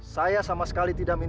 saya sama sekali tidak minta